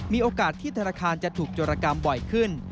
มีโอกาสที่ธนาคารจะถูกโจรกรรมบ่อยขึ้น